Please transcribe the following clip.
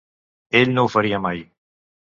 Ell no ho faria mai.